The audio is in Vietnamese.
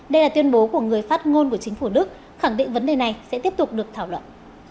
đây là tuyên bố của người phát ngôn của chính phủ đức khẳng định vấn đề này sẽ tiếp tục được thảo luận